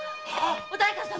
お代官様